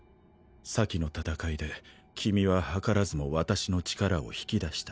先の戦いで君は図らずも私の力を引き出した。